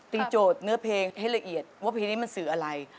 โจทย์เนื้อเพลงให้ละเอียดว่าเพลงนี้มันสื่ออะไร